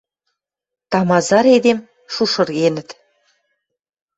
Тамазар эдем шушыргенӹт.